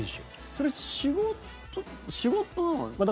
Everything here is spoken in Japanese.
それ、仕事なのかな？